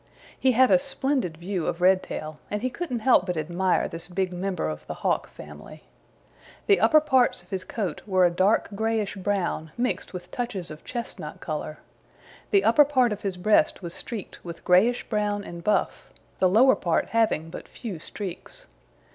He had a splendid view of Redtail, and he couldn't help but admire this big member of the Hawk family. The upper parts of his coat were a dark grayish brown mixed with touches of chestnut color. The upper part of his breast was streaked with grayish brown and buff, the lower part having but few streaks.